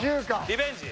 リベンジ